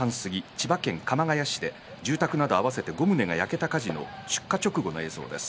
千葉県鎌ケ谷市で住宅など合わせて５棟が焼けた火事の出火直後の映像です。